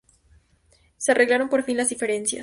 Se arreglaron por fin las diferencias.